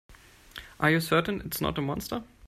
Are you certain it's not a monster?